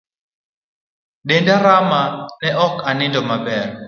Denda rama ne ok anindo maber